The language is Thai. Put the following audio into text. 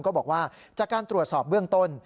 ก็บอกว่าจากการตรวจสอบเบื้องต้น